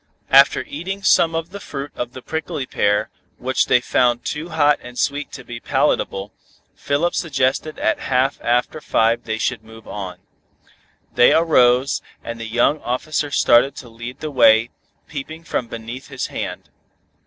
After eating some of the fruit of the prickly pear, which they found too hot and sweet to be palatable, Philip suggested at half after five that they should move on. They arose, and the young officer started to lead the way, peeping from beneath his hand.